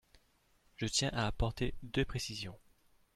Je tiens à apporter deux précisions.